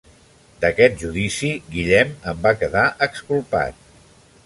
D'aquest judici, Guillem en va quedar exculpat.